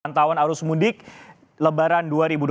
pada tahun arus mudik lebaran dua ribu dua puluh empat